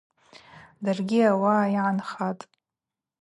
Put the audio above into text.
Даргьи ауаъа йгӏанхатӏ.